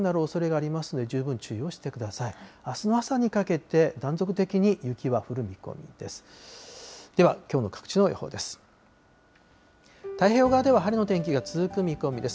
あすの朝にかけて断続的に雪は降る見込みです。